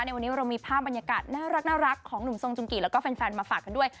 ในวันนี้เรามีภาพบรรยากาศน่ารักของหนุ่มทรงจุงกิแล้วก็แฟนมาฝากกันด้วย